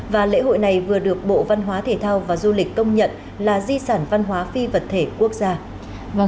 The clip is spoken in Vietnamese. và lễ hội này vừa được bộ văn hóa thể thao và du lịch công nhận là di sản văn hóa phi vật thể quốc gia